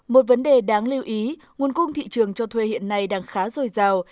một vấn đề đáng lưu ý nguồn cung thị trường cho thuê hiện nay đang khá dồi dào